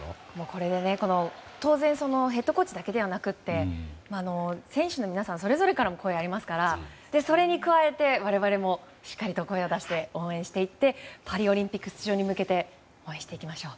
当然ヘッドコーチだけではなくて選手の皆さんそれぞれからの声もありますからそれに加えて我々もしっかりと声を出して応援していってパリオリンピック出場に向けて応援していきましょう。